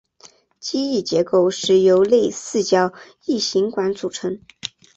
机翼结构是由内四角异型管组成。